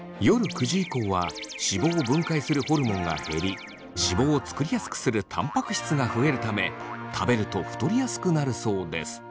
夜９時以降は脂肪を分解するホルモンが減り脂肪を作りやすくするたんぱく質が増えるため食べると太りやすくなるそうです。